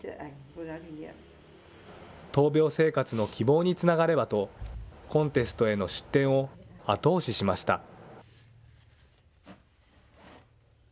闘病生活の希望につながればと、コンテストへの出展を後押ししました。